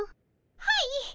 はい。